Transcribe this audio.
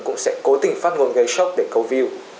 cũng sẽ cố tình phát ngôn gây sốc để câu view